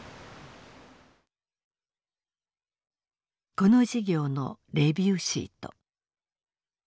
この事業のレビューシート。